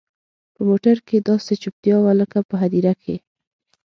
په موټر کښې داسې چوپتيا وه لكه په هديره کښې.